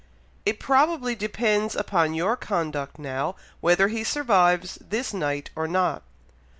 It probably depends upon your conduct now, whether he survives this night or not.